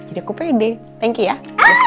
jadi aku pede thank you ya